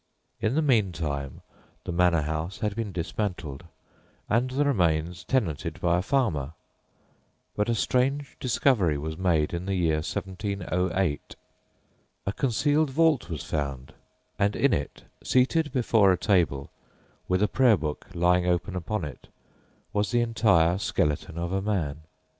In the meantime the manor house had been dismantled and the remains tenanted by a farmer; but a strange discovery was made in the year 1708. A concealed vault was found, and in it, seated before a table, with a prayer book lying open upon it, was the entire skeleton of a man.